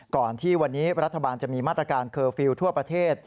ก่อนที่วันนี้รัฐบาลจะมีมาตรการเคอร์ฟิลล์ทั่วประเทศ